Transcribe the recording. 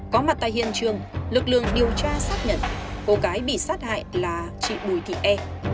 có mặt tại hiện trường lực lượng điều tra xác nhận cô gái bị sát hại là chị bùi thị e